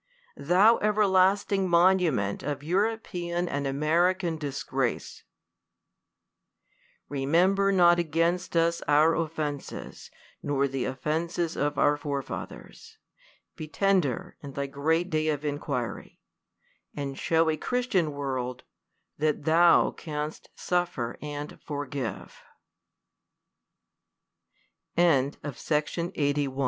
Thou everlasting monument of European and American dis grace !" Remember not against us our offences, nor the offences of our forefathers ; be tender in the great day of inquiry ; and show a Christian world, that thou canst suffer an